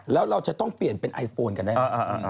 แล้วเราจะต้องเปลี่ยนเป็นไอโฟนกันได้ไหม